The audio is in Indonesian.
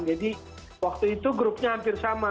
waktu itu grupnya hampir sama